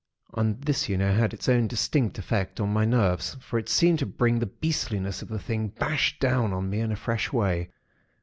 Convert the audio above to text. And this, you know, had its own distinct effect upon my nerves; for it seemed to bring the beastliness of the thing bash down on me in a fresh way.